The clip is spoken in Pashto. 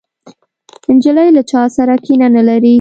نجلۍ له چا سره کینه نه لري.